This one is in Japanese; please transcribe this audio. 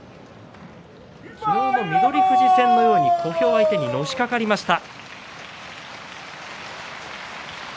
昨日の翠富士戦のように小兵相手にのしかかりました。